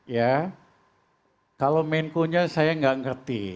ya kalau menko nya saya nggak ngerti